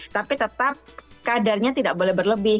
tapi tetap kadarnya tidak boleh berlebih